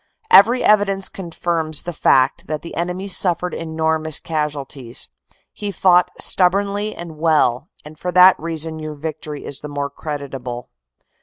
Every evidence confirms the fact that the enemy suf 286 THE CORPS COMMANDER 287 fered enormous casualties. He fought stubbornly and well, and for that reason your victory is the more creditable.